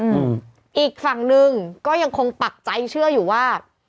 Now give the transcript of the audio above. อืมอีกฝั่งหนึ่งก็ยังคงปักใจเชื่ออยู่ว่า